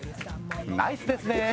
ナイスですね！